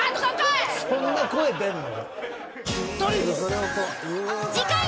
そんな声出るの？